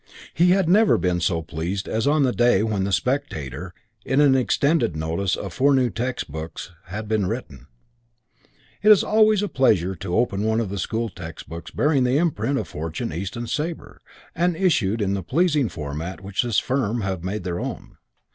He had never been so pleased as on the day when the Spectator, in an extended notice of four new textbooks, had written, "It is always a pleasure to open one of the school textbooks bearing the imprint of Fortune, East and Sabre and issued in the pleasing format which this firm have made their own.